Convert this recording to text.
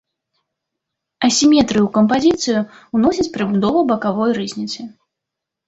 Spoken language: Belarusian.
Асіметрыю ў кампазіцыю ўносіць прыбудова бакавой рызніцы.